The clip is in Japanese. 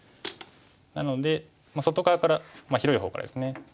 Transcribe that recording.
なので外側から広い方からですね。